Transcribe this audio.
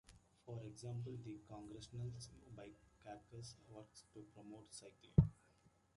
For example, the Congressional Bike Caucus works to promote cycling.